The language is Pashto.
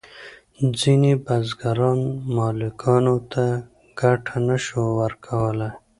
ځینې بزګران مالکانو ته ګټه نشوای ورکولی.